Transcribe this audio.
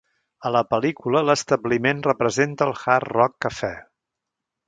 A la pel·lícula, l'establiment representa el Hard Rock Café.